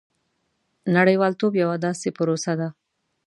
• نړیوالتوب یوه داسې پروسه ده.